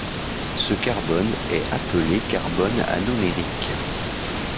Ce carbone est appelé carbone anomérique.